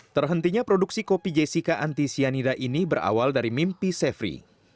terhentinya produksi kopi jessica antisianida ini berawal dari mimpi sefri